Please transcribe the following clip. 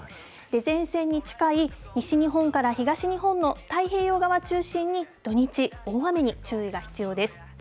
前線に近い西日本から東日本の太平洋側中心に、土日、大雨に注意が必要です。